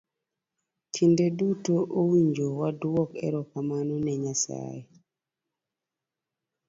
Kinde duto owinjo waduok erokamano ne nyasaye.